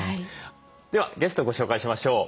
ではゲストをご紹介しましょう。